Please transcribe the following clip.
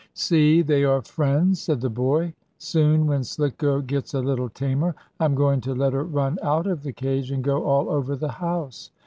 "See, they are friends!" said the boy. "Soon, when Slicko gets a little tamer, I'm going to let her run out of the cage, and go all over the house."